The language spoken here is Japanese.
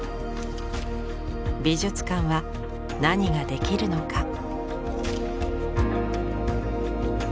美術館は何ができるのか？